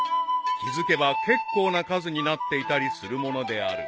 ［気付けば結構な数になっていたりするものである］